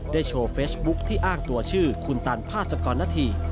โชว์เฟซบุ๊คที่อ้างตัวชื่อคุณตันพาสกรณฑี